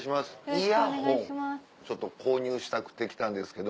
イヤホンちょっと購入したくて来たんですけど。